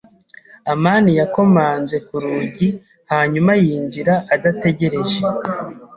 amani yakomanze ku rugi hanyuma yinjira adategereje.